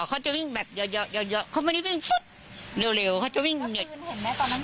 เขาจะวิ่งแบบเยาะเยาะเยาะเขาไม่ได้วิ่งเร็วเร็วเขาจะวิ่งเห็นไหม